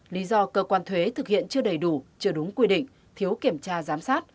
lý do cơ quan thuế thực hiện chưa đầy đủ chưa đúng quy định thiếu kiểm tra giám sát